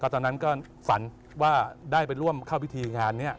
ตอนนั้นก็ฝันว่าได้ไปร่วมเข้าพิธีงานนี้